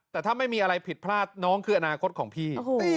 แต่ถ้าไม่มีอะไรผิดพลาดน้องคืออนาคตของพี่